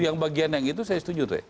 yang bagian yang itu saya setuju